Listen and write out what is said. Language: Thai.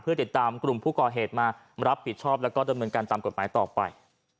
ติดตามกลุ่มผู้ก่อเหตุมารับผิดชอบแล้วก็ดำเนินการตามกฎหมายต่อไป